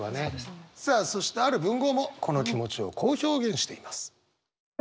さあそしてある文豪もこの気持ちをこう表現しています。